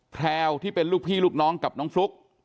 แพลวที่เป็นลูกพี่ลูกน้องกับน้องฟลุ๊ก